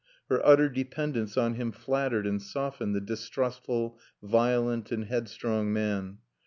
Her utter dependence on him flattered and softened the distrustful, violent and headstrong man.